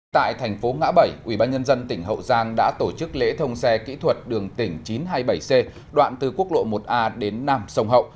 tại thành phố ngã bảy ubnd tỉnh hậu giang đã tổ chức lễ thông xe kỹ thuật đường tỉnh chín trăm hai mươi bảy c đoạn từ quốc lộ một a đến nam sông hậu